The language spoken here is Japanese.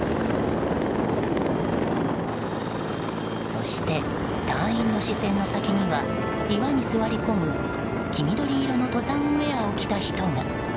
そして、隊員の視線の先には岩に座り込む黄緑色の登山ウェアを着た人が。